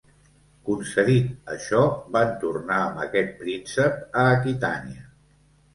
Concedit això van tornar amb aquest príncep a Aquitània.